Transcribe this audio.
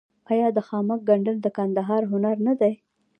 آیا د خامک ګنډل د کندهار هنر نه دی؟